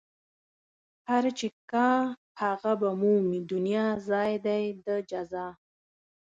هر چې کا هغه به مومي دنيا ځای دئ د جزا